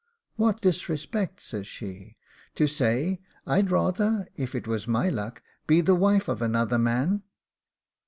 'What disrespect,' says she, 'to say I'd rather, if it was my luck, be the wife of another man?